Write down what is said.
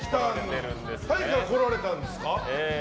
タイから来られたんですか？